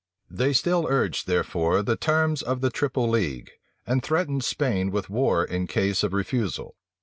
They still urged, therefore, the terms of the triple league, and threatened Spain with war in case of refusal.